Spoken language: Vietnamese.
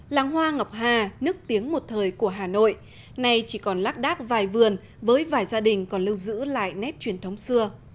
làng hoa ngọc hà nức tiếng một thời của hà nội nay chỉ còn lác đác vài vườn với vài gia đình còn lưu giữ lại nét truyền thống xưa